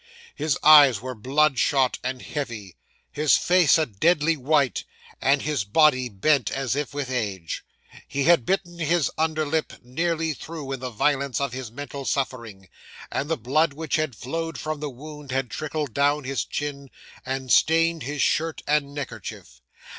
His eyes were bloodshot and heavy, his face a deadly white, and his body bent as if with age. He had bitten his under lip nearly through in the violence of his mental suffering, and the blood which had flowed from the wound had trickled down his chin, and stained his shirt and neckerchief.